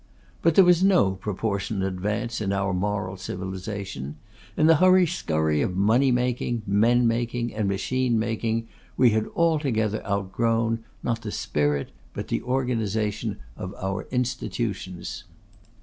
But there was no proportionate advance in our moral civilisation. In the hurry skurry of money making, men making, and machine making, we had altogether outgrown, not the spirit, but the organisation, of our institutions.